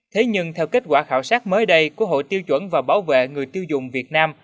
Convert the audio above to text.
thế nhưng theo kết quả khảo sát mới đây của hội tiêu chuẩn và bảo vệ người tiêu dùng việt nam